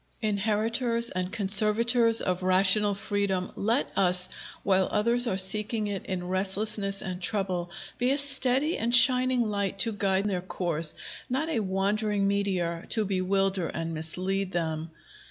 Inheritors and conservators of rational freedom, let us, while others are seeking it in restlessness and trouble, be a steady and shining light to guide their course; not a wandering meteor to bewilder and mislead them.